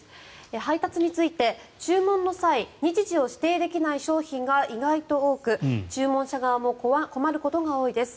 配達について注文の際日時を指定できない商品が意外と多く注文者側も困ることが多いです。